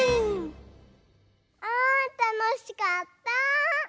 あたのしかった！